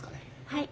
はい。